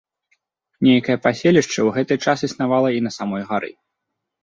Нейкае паселішча ў гэты час існавала і на самой гары.